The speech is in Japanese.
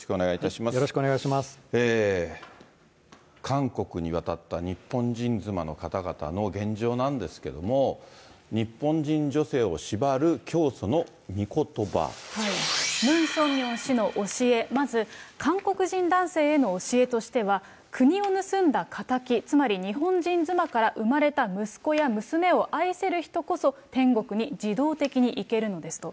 韓国に渡った日本人妻の方々の現状なんですけれども、ムン・ソンミョン氏の教え、まず韓国人男性への教えとしては、国を盗んだ敵、つまり日本人妻から生まれた息子や娘を愛せる人こそ天国に自動的にいけるのですと。